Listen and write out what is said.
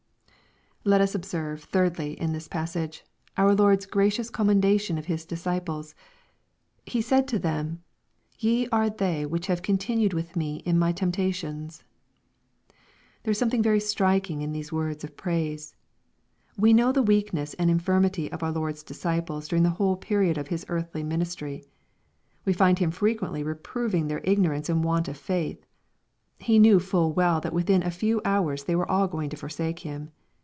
Let us observe, thirdly, in this passage, our LoriTa gracioTis commendation of His disciples. He said to them, "Ye are they which have continued with me in my temptations." There is something very striking in these words of oraise. We know the weakness and infirmity of our Lord's disciples during the whole period of His earthly ministry. We find Him frequently reproving their igno rance and want of faith. He knew full well that within a few hours they were all going to forsake Him.